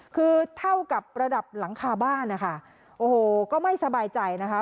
คือเท่ากับประดับหลังคาบ้านนะคะโอ้โหก็ไม่สบายใจนะคะ